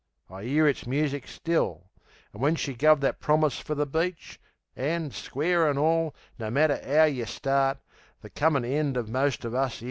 I 'ear its music still, As when she guv that promise fer the beach. An', square an' all, no matter 'ow yeh start, The commin end of most of us is Tart.